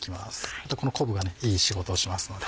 あとこの昆布がいい仕事をしますので。